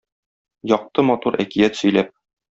Якты матур әкият сөйләп.